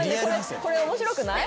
これ面白くない？